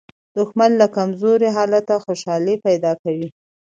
دښمن له کمزوري حالته خوشالي پیدا کوي